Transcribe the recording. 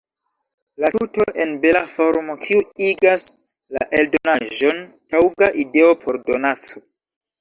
La tuto en bela formo, kiu igas la eldonaĵon taŭga ideo por donaco.